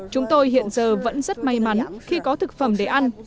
chúng tôi hiện giờ vẫn rất may mắn khi có thực phẩm để ăn